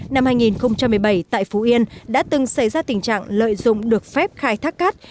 năm hai nghìn một mươi bảy tại phú yên đã từng xảy ra tình trạng lợi dụng được phép khai thác cát